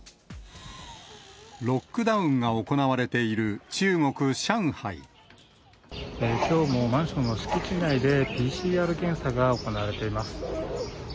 ロックダウンが行われているきょうもマンションの敷地内で、ＰＣＲ検査が行われています。